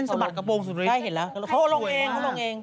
เท่นสมัครกระโปรงสุดท้ายเห็นแล้วเขาลงเอง